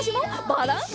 バランス！